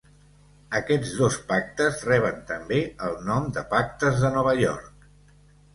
Aquests dos Pactes reben també el nom de Pactes de Nova York.